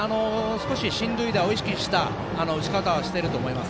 少し進塁打を意識した打ち方をしていると思います。